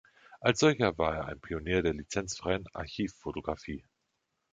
Als solcher war er ein Pionier der lizenzfreien Archivfotografie.